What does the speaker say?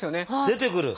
出てくる！